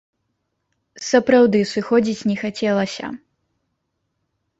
Сапраўды, сыходзіць не хацелася.